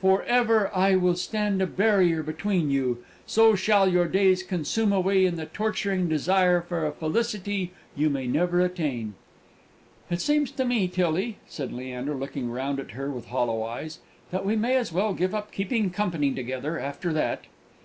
For ever, I will stand a barrier between you: so shall your days consume away in the torturing desire for a felicity you may never attain!" "It seems to me, Tillie," said Leander, looking round at her with hollow eyes, "that we may as well give up keeping company together, after that!"